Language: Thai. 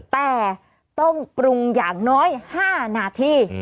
แต่ต้องปรุงอย่างน้อย๕นาที